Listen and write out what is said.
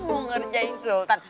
oh mau ngerjain sultan